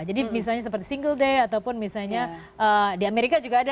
jadi misalnya seperti single day ataupun misalnya di amerika juga ada ya